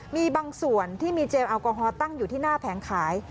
มีบางส่วนที่มีเจลแอลกอฮอลตั้งอยู่ที่หน้าแผงขาย